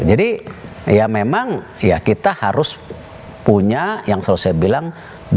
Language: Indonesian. jadi ya memang ya kita harus punya yang selalu saya bilang